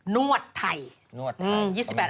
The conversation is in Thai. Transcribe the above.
นวดไทยทำไม